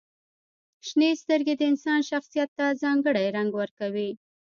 • شنې سترګې د انسان شخصیت ته ځانګړې رنګ ورکوي.